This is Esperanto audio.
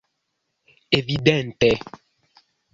Evidente!